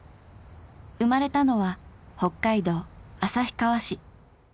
生まれたのは北海道旭川市。